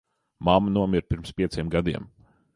Mamma nomira pirms pieciem gadiem.